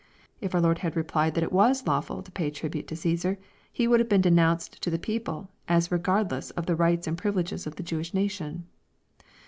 If our Lord had replied that it was lawful to pay tribute to CsBsar, He would have been denounced to the people as regardless of the rights and privileges of the Jewish nation.